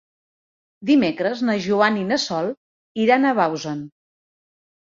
Dimecres na Joana i na Sol iran a Bausen.